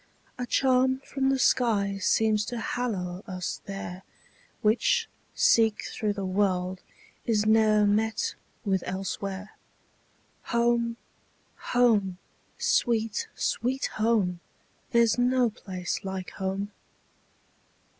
A charm from the sky seems to hallow us there, Which, seek through the world, is ne'er met with elsewhere. Home! home! sweet, sweet home! There 's no place like home!